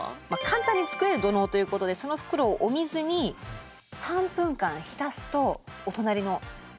簡単に作れる土嚢ということでその袋をお水に３分間浸すとお隣の茶色い状態に。